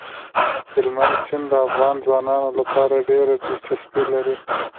هلمند سیند د افغان ځوانانو لپاره ډېره دلچسپي لري.